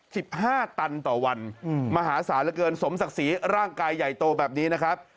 สิบห้าตันต่อวันอืมมหาศาลเหลือเกินสมศักดิ์ศรีร่างกายใหญ่โตแบบนี้นะครับ